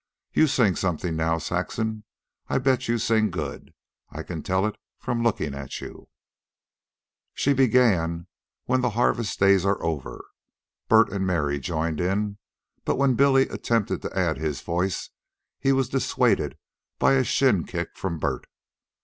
You sing something now, Saxon. I bet you sing good. I can tell it from lookin' at you." She began "When the Harvest Days Are Over." Bert and Mary joined in; but when Billy attempted to add his voice he was dissuaded by a shin kick from Bert.